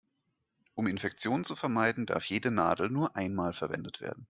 Um Infektionen zu vermeiden, darf jede Nadel nur einmal verwendet werden.